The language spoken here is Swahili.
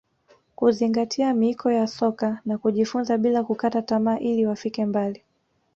kuzingatia miiko ya soka na kujifunza bila kukata tamaa ili wafike mbali